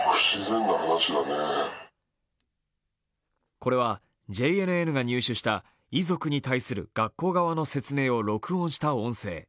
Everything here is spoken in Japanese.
これはＪＮＮが入手した遺族に対する学校側の説明を録音した音声。